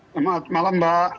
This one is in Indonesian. selamat malam mbak